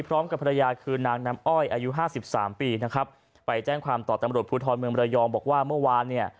พร้อมกับภรรยาคือนางน้ำอ้อยอายุห้าสิบสามปีนะครับไปแจ้งความต่อตำรวจภูทรเมืองระยองบอกว่าเมื่อวานเนี่ย